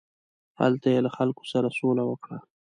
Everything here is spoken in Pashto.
هلته یې له خلکو سره سوله وکړه.